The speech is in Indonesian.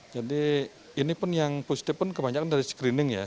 jadi ini pun yang positif pun kebanyakan dari screening ya